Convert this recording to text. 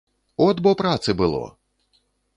От бо працы было!